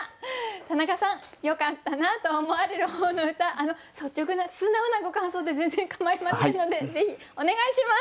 田中さんよかったなと思われる方の歌率直な素直なご感想で全然構いませんのでぜひお願いします。